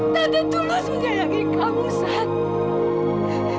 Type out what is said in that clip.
tante tulus menyayangi kamu tante